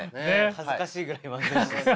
恥ずかしいぐらい漫才師です。